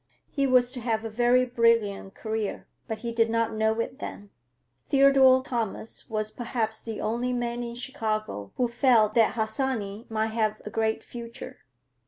He was to have a very brilliant career, but he did not know it then. Theodore Thomas was perhaps the only man in Chicago who felt that Harsanyi might have a great future.